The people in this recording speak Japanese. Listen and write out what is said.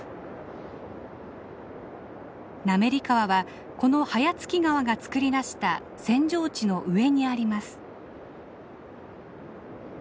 滑川はこの早月川が作り出した扇状地の上にあります。